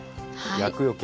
厄よけ？